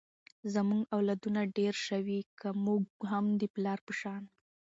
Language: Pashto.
زمونږ اولادونه ډېر شوي ، که مونږ هم د پلار په شان